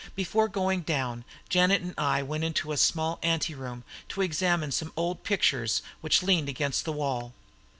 Before going down, Janet and I went into a small anteroom to examine some old pictures which leaned against the wall.